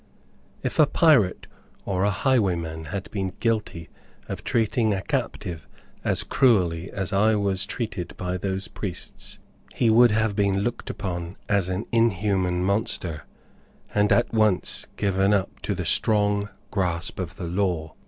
If a pirate or a highwayman had been guilty of treating a captive as cruelly as I was treated by those priests, he would have been looked upon as an inhuman monster, and at once given up to the strong grasp of the law.